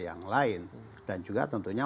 yang lain dan juga tentunya